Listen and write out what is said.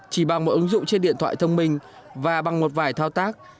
chỉ bằng một ứng dụng trên điện thoại thông minh và bằng một vài thao tác